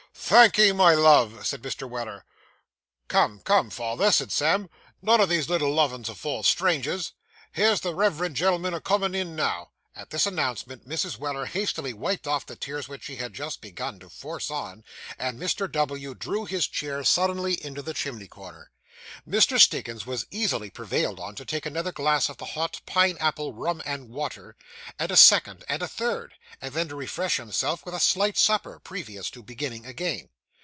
'Thank'ee, my love,' said Mr. Weller. 'Come, come, father,' said Sam, 'none o' these little lovin's afore strangers. Here's the reverend gen'l'm'n a comin' in now.' At this announcement, Mrs. Weller hastily wiped off the tears which she had just begun to force on; and Mr. W. drew his chair sullenly into the chimney corner. Mr. Stiggins was easily prevailed on to take another glass of the hot pine apple rum and water, and a second, and a third, and then to refresh himself with a slight supper, previous to beginning again.